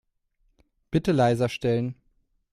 Bitte leiser stellen.